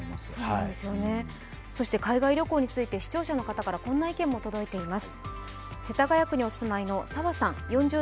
そして海外旅行について視聴者の方からこんな意見も届いています。